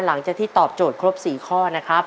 หลังจากที่ตอบโจทย์ครบ๔ข้อนะครับ